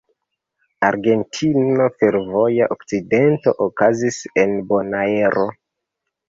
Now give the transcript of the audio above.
Argentino: Fervoja akcidento okazis en Bonaero.